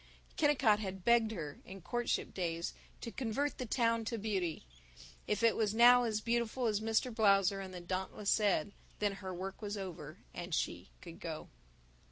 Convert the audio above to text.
Kennicott had begged her, in courtship days, to convert the town to beauty. If it was now as beautiful as Mr. Blausser and the Dauntless said, then her work was over, and she could go.